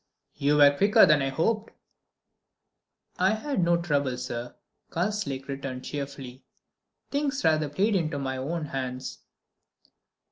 "You were quicker than I hoped." "I had no trouble, sir," Karslake returned, cheerfully. "Things rather played into my hands."